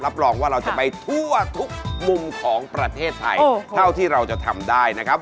รองว่าเราจะไปทั่วทุกมุมของประเทศไทยเท่าที่เราจะทำได้นะครับ